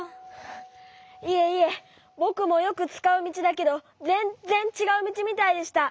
いえいえぼくもよくつかうみちだけどぜんっぜんちがうみちみたいでした。